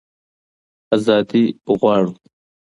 ازادي غواړو.